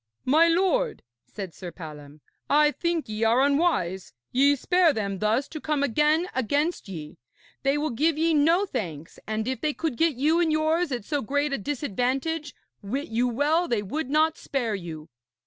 'My lord,' said Sir Palom, 'I think ye are unwise. Ye spare them thus to come again against ye. They will give ye no thanks, and if they could get you and yours at so great a disadvantage, wit you well they would not spare you.'